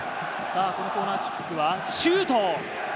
このコーナーキックはシュート。